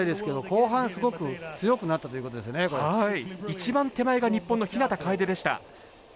一番手前が日本の日向楓でした。